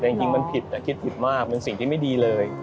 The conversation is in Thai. แต่จริงมันผิดแต่คิดผิดมากเป็นสิ่งที่ไม่ดีเลย